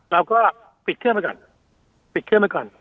เราก็ปิดเครื่องมาก่อนปิดเครื่องมาก่อน